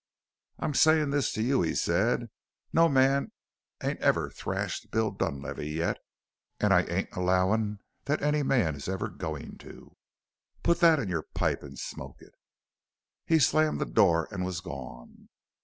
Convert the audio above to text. "I'm saying this to you," he said, "no man ain't ever thrashed Bill Dunlavey yet and I ain't allowing that any man is ever going to. Put that in your pipe and smoke it!" He slammed the door and was gone.